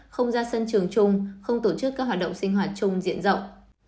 không ra sân trường chung không tổ chức các hoạt động sinh hoạt chung diện rộng